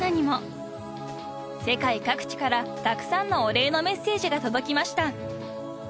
［世界各地からたくさんのお礼のメッセージが届きました］